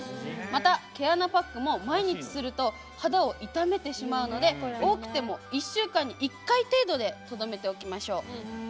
また、毛穴パックも毎日すると肌を痛めてしまうので多くても１週間に１回程度でとどめておきましょう。